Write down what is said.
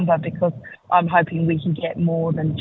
karena saya berharap kita dapat lebih dari